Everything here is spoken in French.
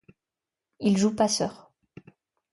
Il joue passeur.